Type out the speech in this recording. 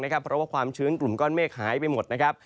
เพราะว่าความชื้นกลุ่มก้อนเมฆหายไปหมดนะครับ